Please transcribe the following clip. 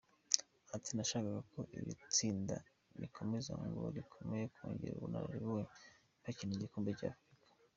Ati “Nashakaga ko iri tsinda rikomeza ngo rikomeze kongera ubunararibonye bakina igikombe cy’Afurika.